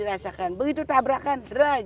dirasakan begitu tabrakan